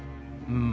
うん。